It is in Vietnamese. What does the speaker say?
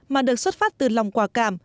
mà được xuất phát từ lòng quả cảm